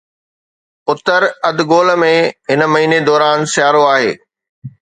اتر اڌ گول ۾، هن مهيني دوران سيارو آهي